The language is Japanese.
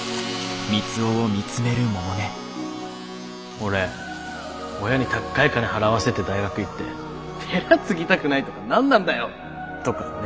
俺親にたっかい金払わせて大学行って寺継ぎたくないとか何なんだよとかね。